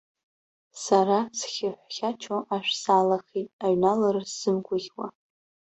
Сара схьаҳәхьачо ашә саалахеит, аҩналара сзымгәаӷьуа.